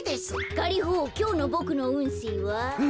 ガリホきょうのボクのうんせいは？